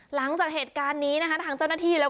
หลังจากเหตุการณ์นี้ทางเจ้าหน้าที่